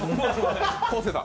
昴生さん。